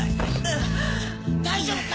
大丈夫か？